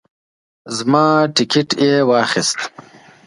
زما ټیکټ یې واخیست.